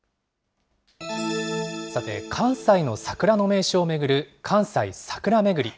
さて、関西の桜の名所を巡る、関西桜めぐり。